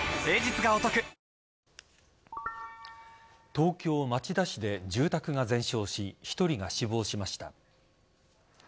東京・町田市で住宅が全焼し１人が死亡しました。